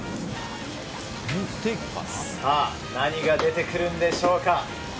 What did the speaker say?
何が出てくるんでしょうか。